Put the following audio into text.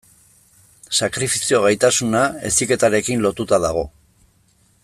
Sakrifizio gaitasuna heziketarekin lotuta dago.